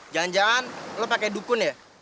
jangan jangan lo pakai dukun ya